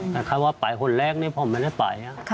ครับเค้าว่าไปหนอยแรกเนี่ยผมไม่ได้ไป